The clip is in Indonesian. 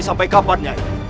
sampai kapan nyai